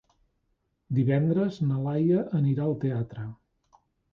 Divendres na Laia anirà al teatre.